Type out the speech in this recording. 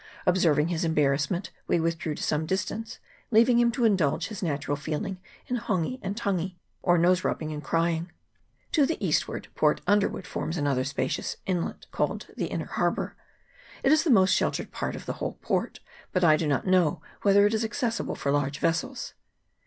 Observing his embarrassment, we withdrew to some distance, leaving him to indulge his natural feeling in hongi and tangi, or nose rubbing and crying. 62 PORT UNDERWOOD. [PART I. To the eastward Port Underwood forms another spacious inlet, called the Inner Harbour ; it is the most sheltered part of the whole port, but I do not know whether it is accessible for large vessels.